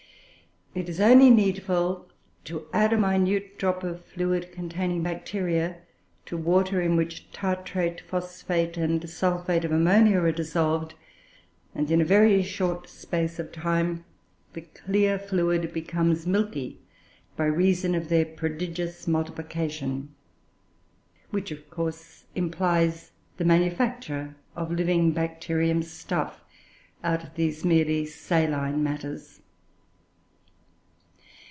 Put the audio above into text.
It is only needful to add a minute drop of fluid containing Bacteria, to water in which tartrate, phosphate, and sulphate of ammonia are dissolved; and, in a very short space of time, the clear fluid becomes milky by reason of their prodigious multiplication, which, of course, implies the manufacture of living Bacterium stuff out of these merely saline matters.